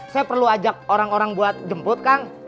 saya perlu ajak orang orang buat jemput kang